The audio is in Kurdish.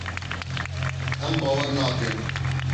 Em bawer nakin.